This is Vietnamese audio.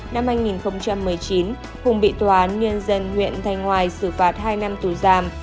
năm hai nghìn một mươi chín hùng bị tòa án nhân dân huyện thanh ngoài xử phạt hai năm tù giam